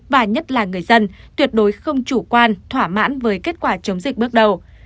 và nhất là người dân tuyệt đối không chủ quan thỏa mãn với kết quả chống dịch bước đầu